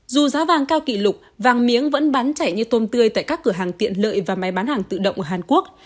dù giá vàng cao kỷ lục vàng miếng vẫn bán chạy như tôm tươi tại các cửa hàng tiện lợi và máy bán hàng tự động ở hàn quốc